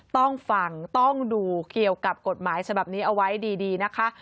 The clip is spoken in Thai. ต้องฟังต้องดูเกี่ยวกับกฎหมายฉบับนี้เอาไว้ดีนะคะ